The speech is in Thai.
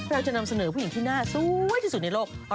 เราจะนำเสนอผู้หญิงที่น่าสวยที่สุดในโลก